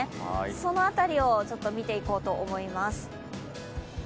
その辺りを見ていこうと思います。